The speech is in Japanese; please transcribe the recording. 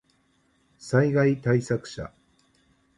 災害対策車